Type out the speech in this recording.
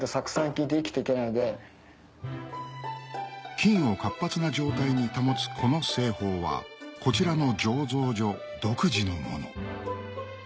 菌を活発な状態に保つこの製法はこちらの醸造所独自のもの